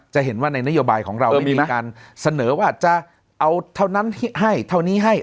จะเห็นว่าในนโยบายของเรามีการเสนอว่าจะเอาเท่านั้นให้เท่านี้ให้